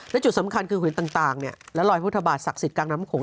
และจุดสำคัญคือหืนต่างและรอยพุทธบาทศักดิ์สิทธิ์กลางน้ำโขง